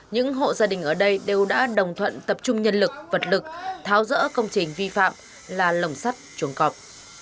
những hộ gia đình ở đây đều đã đồng thuận tập trung nhân lực vật lực thao dỡ công trình vi phạm là lồng sắt trộm cọp